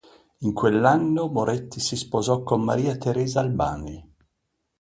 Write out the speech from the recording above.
In quell'anno Moretti si sposò con Maria Teresa Albani.